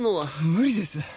無理です！